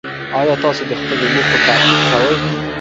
ایا تاسو د خپلو موخو تعقیب کوئ؟